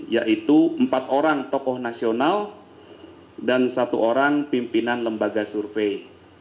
yaitu empat orang tokoh nasional dan satu orang pimpinan lembaga survei